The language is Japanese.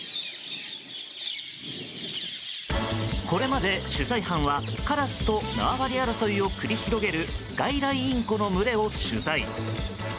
これまで、取材班はカラスと縄張り争いを繰り広げる外来インコの群れを取材。